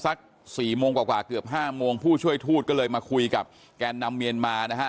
สัก๔โมงกว่าเกือบ๕โมงผู้ช่วยทูตก็เลยมาคุยกับแกนนำเมียนมานะฮะ